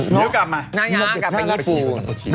เร็วกลับน้อย้างกลับไปญี่ปูน